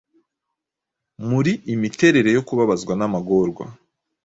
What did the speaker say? muri Imiterere yo kubabazwa n'amagorwa: